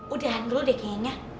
udahan dulu deh kengenya